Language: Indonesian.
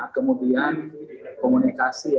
kemudian komunikasi yang